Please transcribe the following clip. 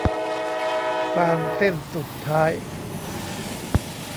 ฟางเส้นสุดท้าย